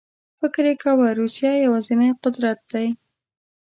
فکر یې کاوه روسیه یوازینی قدرت دی.